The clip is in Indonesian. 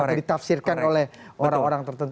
atau ditafsirkan oleh orang orang tertentu